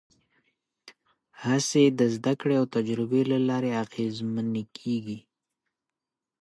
هڅې د زدهکړې او تجربې له لارې اغېزمنې کېږي.